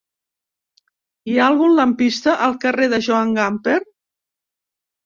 Hi ha algun lampista al carrer de Joan Gamper?